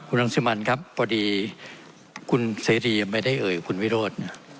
รังสิมันครับพอดีคุณเสรียังไม่ได้เอ่ยคุณวิโรธ